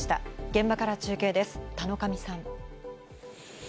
現場から中継です、田上さん。